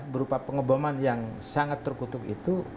berupa pengeboman yang sangat terjadi di surabaya